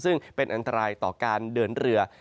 ซึ่งเป็นอันตรายต่อการเดินเรือ